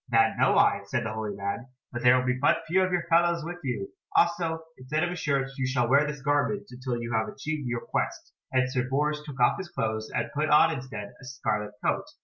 "That know I," said the holy man, "but there will be but few of your fellows with you. Also instead of a shirt you shall wear this garment until you have achieved your quest," and Sir Bors took off his clothes, and put on instead a scarlet coat.